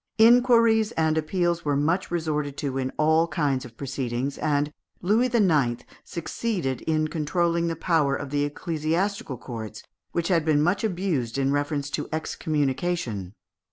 Inquiries and appeals were much resorted to in all kinds of proceedings, and Louis IX. succeeded in controlling the power of ecclesiastical courts, which had been much abused in reference to excommunication.